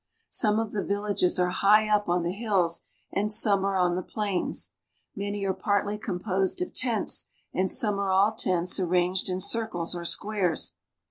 Some of the villages are high up on the hills and some are on the plains. Many are partly com posed of tents, and some are all tents arranged in circles or squares.